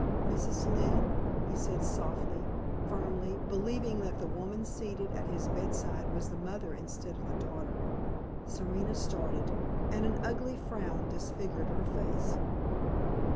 "Mrs. Lynne," he said, softly, firmly, believing that the woman seated at his bedside was the mother instead of the daughter. Serena started, and an ugly frown disfigured her face.